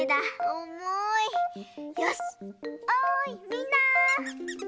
おいみんな！